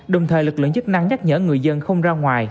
đồng thời lực lượng chức năng nhắc nhở người dân không ra ngoài